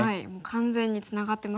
完全にツナがってますね。